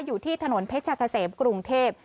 อยู่ที่ถนนเพชรกะเสมกรุงเทพ